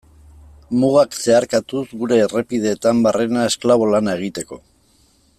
Mugak zeharkatuz gure errepideetan barrena esklabo lana egiteko.